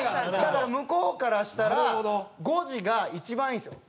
だから向こうからしたら５時が一番いいんですよ。